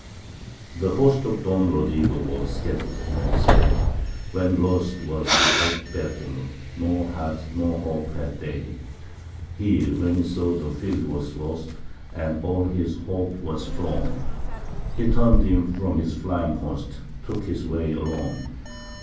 The hosts of Don Rodrigo were scattered in dismay, When lost was the eighth battle, nor heart nor hope had they; He, when he saw that field was lost, and all his hope was flown, He turned him from his flying host, and took his way alone.